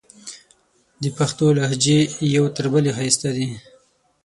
د پښتو لهجې یو تر بلې ښایستې دي.